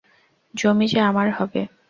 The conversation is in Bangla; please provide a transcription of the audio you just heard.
জমি যে আমার হবে।